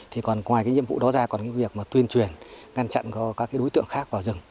thì còn ngoài nhiệm vụ đó ra còn việc tuyên truyền ngăn chặn các đối tượng khác vào rừng